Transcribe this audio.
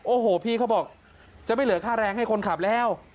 โอ้โหพี่เขาบอกจะไม่เหลือค่าแรงให้คนขับแล้ว